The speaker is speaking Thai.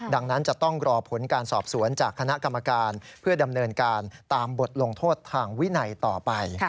ดังนั้นจะต้องรอผลการสอบสวนจากคณะกรรมการเพื่อดำเนินการตามบทลงโทษทางวินัยต่อไป